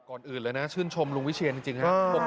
ก่อนอื่นเลยนะชื่นชมลุงวิเชียนจริงครับ